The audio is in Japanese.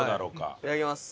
いただきます。